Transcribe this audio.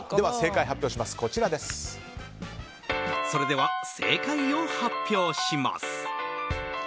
では正解を発表します。